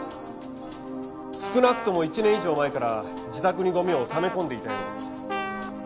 少なくとも１年以上前から自宅にゴミを溜め込んでいたようです。